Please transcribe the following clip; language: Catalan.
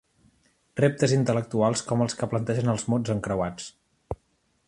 Reptes intel·lectuals com els que plantegen els mots encreuats.